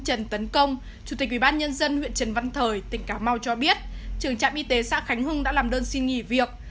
chủ tịch ubnd huyện trần văn thời tỉnh cà mau cho biết chủ trạm y tế xã khánh hưng đã làm đơn xin nghỉ việc